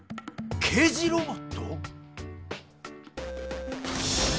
「刑事ロボット」⁉